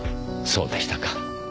そうでしたか。